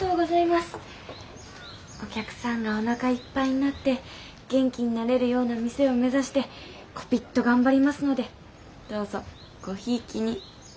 お客さんがおなかいっぱいになって元気んなれるような店を目指してこぴっと頑張りますのでどうぞごひいきに。